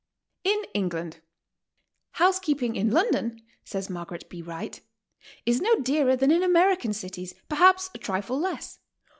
IN ENGLAND. "Housekeeping in London," says Margaret B. Wright, "is no dearer than in American cities, perhaps a trifle less.